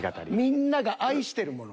みんなが愛してるもの。